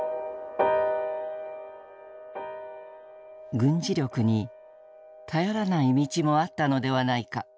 「軍事力に頼らない道もあったのではないか」。